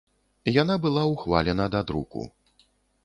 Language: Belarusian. Яна была ўхвалена да друку.